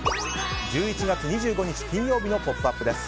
１１月２５日、金曜日の「ポップＵＰ！」です。